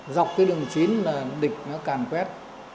dọc cái đường chín là địch nó càng quét